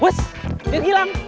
wess jangan hilang